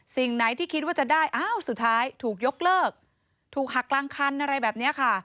สิ่งไหนที่คิดว่าจะได้อ้าวสุดท้ายถูกยกเลิกถูกหักกลางคันอะไรแบบนี้ค่ะ